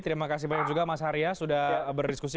terima kasih banyak juga mas arya sudah berdiskusi